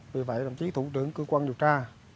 vì vậy đồng chí thủ trưởng cơ quan điều tra